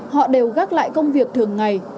họ đều gác lại công việc thường ngày